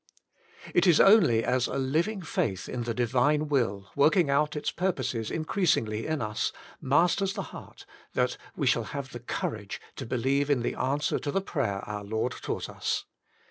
6. It is only as a livi ng fa ith in the Divine Will, working out its purposes increasingly in us, mastersjthejieart, that we shall have the courage to believe in the answer to the prayer our Lord taught us.